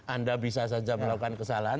anda bisa saja melakukan kesalahan